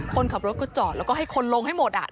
คนขับรถก็จอดแล้วก็ให้คนลงให้หมด